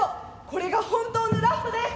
これが本当のラストです！